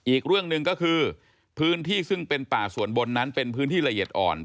อีกเรื่องหนึ่งก็คือพื้นที่ซึ่งเป็นป่าส่วนบนนั้นเป็นพื้นที่ละเอียดอ่อน